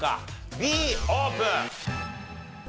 Ｂオープン！